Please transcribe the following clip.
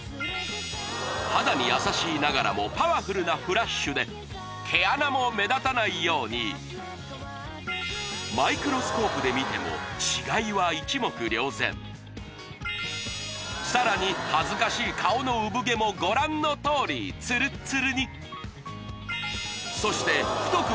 肌に優しいながらもパワフルなフラッシュで毛穴も目立たないようにマイクロスコープで見ても違いは一目瞭然さらに恥ずかしい顔の産毛もご覧のとおりツルッツルにそして太く